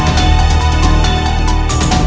semasa kamu menohong anda sekarang